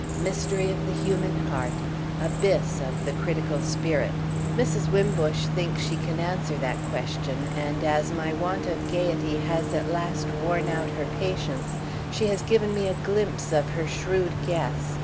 Mystery of the human heart—abyss of the critical spirit! Mrs. Wimbush thinks she can answer that question, and as my want of gaiety has at last worn out her patience she has given me a glimpse of her shrewd guess.